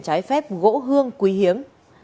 trái phép gỗ hương quý hiếm